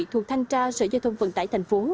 thuộc thanh tra sở giao thông vận tải tp